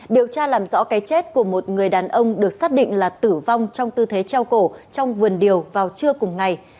điều tra làm rõ cái chết của một người đàn ông được xác định là tử vong trong tư thế treo cổ trong vườn điều vào trưa cùng ngày